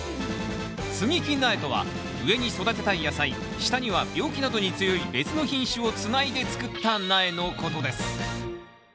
接ぎ木苗とは上に育てたい野菜下には病気などに強い別の品種をつないで作った苗のことです